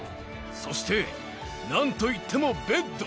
そして、なんといってもベッド。